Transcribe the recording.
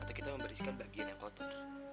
atau kita membersihkan bagian yang kotor